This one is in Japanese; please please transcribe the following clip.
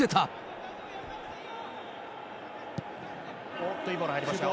おっと、いいボール入りましたよ。